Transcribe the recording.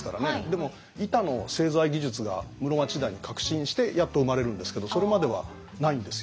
でも板の製材技術が室町時代に革新してやっと生まれるんですけどそれまではないんですよ。